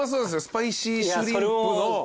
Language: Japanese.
スパイシーシュリンプの。